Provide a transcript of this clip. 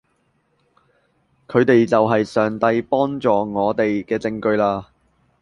佢哋就係上帝幫助我哋嘅證據嘞